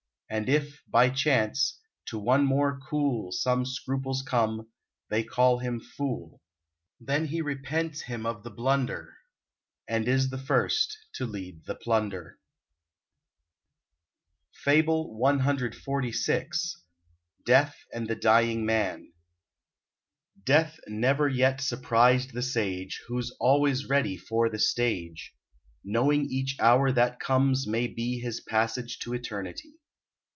And if, by chance, to one more cool Some scruples come, they call him fool: Then he repents him of the blunder, And is the first to lead the plunder. FABLE CXLVI. DEATH AND THE DYING MAN. Death never yet surprised the sage, Who's always ready for the stage; Knowing each hour that comes may be His passage to eternity.